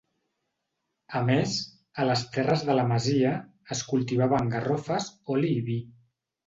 A més, a les terres de la masia, es cultivaven garrofes, oli i vi.